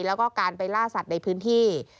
แล้วก็การไปล่าสัตว์ในพื้นที่